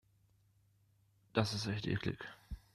Das ist echt eklig.